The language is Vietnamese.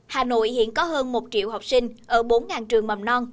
hà nội hiện có hơn một triệu học sinh ở bốn trường mầm non